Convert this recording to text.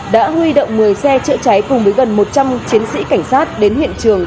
đã huy động một mươi xe chữa cháy cùng với gần một trăm linh chiến sĩ cảnh sát đến hiện trường